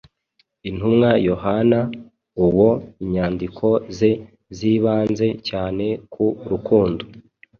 Intumwa Yohana, uwo inyandiko ze zibanze cyane ku rukundo,